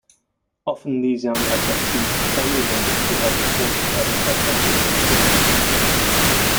Often these young abductees have family members who have reported having abduction experiences.